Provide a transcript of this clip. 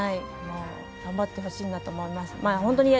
頑張ってほしいなと思います。